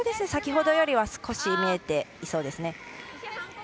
先ほどよりは少し見えていそうですね。